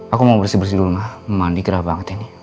aku mau bersih bersih dulu nah mandi gerah banget ini